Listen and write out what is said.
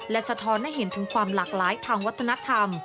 และสะท้อนให้เห็นถึงความหลากหลายทางวัฒนธรรม